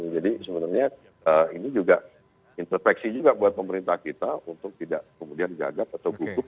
jadi sebenarnya ini juga introspeksi juga buat pemerintah kita untuk tidak kemudian gagap atau gugup